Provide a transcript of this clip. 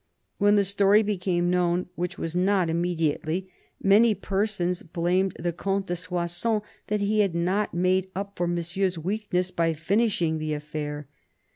When the story became known, which was not im mediately, many persons blamed the Comte de Soissons that he had not made up for Monsieur's weakness by finishing the affair.